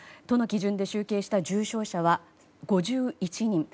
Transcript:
都の基準で集計した重症者は５１人。